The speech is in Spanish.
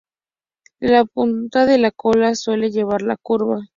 La punta de la cola suele llevarla curva.